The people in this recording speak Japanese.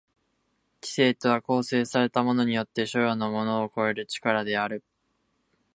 知性とは構成されたものによって所与のものを超える力である。